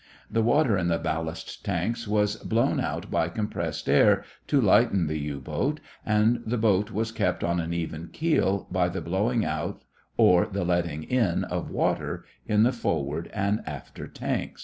The water in the ballast tanks was blown out by compressed air to lighten the U boat and the boat was kept on an even keel by the blowing out or the letting in of water in the forward and after tanks.